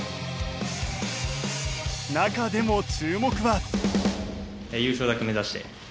中でも注目は。